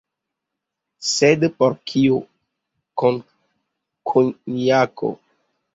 Sed por kio konjako?